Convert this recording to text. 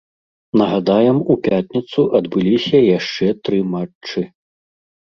Нагадаем, у пятніцу адбыліся яшчэ тры матчы.